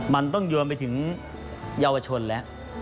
มันต้องโยนไปถึงเยาวชนแล้ว